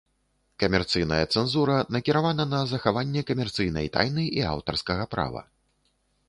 Камерцыйная цэнзура накіравана на захаванне камерцыйнай тайны і аўтарскага права.